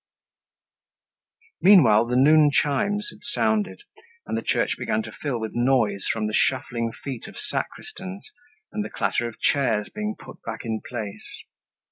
Meanwhile, the noon chimes had sounded and the church began to fill with noise from the shuffling feet of sacristans and the clatter of chairs being put back in place.